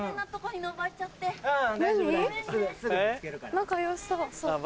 仲良しそう。